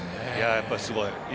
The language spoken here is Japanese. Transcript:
やっぱり、すごい。